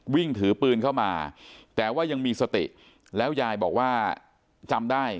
วิ่งถือปืนเข้ามาแต่ว่ายังมีสติแล้วยายบอกว่าจำได้